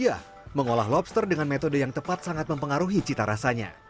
iya mengolah lobster dengan metode yang tepat sangat mempengaruhi cita rasanya